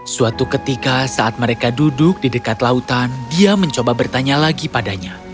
suatu ketika saat mereka duduk di dekat lautan dia mencoba bertanya lagi padanya